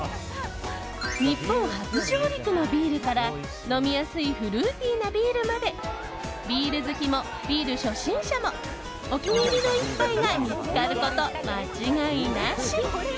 日本初上陸のビールから飲みやすいフルーティーなビールまでビール好きも、ビール初心者もお気に入りの１杯が見つかること間違いなし。